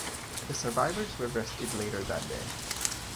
The survivors were rescued later that day.